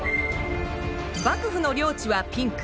幕府の領地はピンク。